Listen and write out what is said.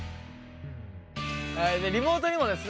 リモートにもですね